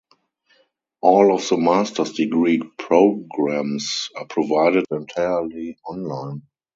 All of the master's degree programs are provided entirely online.